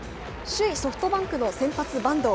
首位ソフトバンクの先発、板東。